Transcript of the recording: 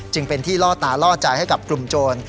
จึงเป็นที่ล่อตาล่อใจให้กับกลุ่มโจร